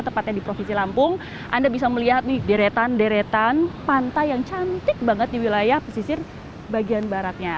tepatnya di provinsi lampung anda bisa melihat nih deretan deretan pantai yang cantik banget di wilayah pesisir bagian baratnya